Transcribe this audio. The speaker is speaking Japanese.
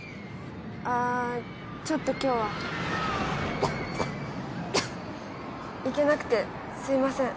あちょっと今日は行けなくてすいません